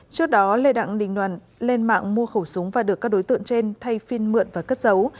trước đó lê đặng đình hoàn lên mạng mua khẩu súng và được các đối tượng trên thay phiên mượn và cất dấu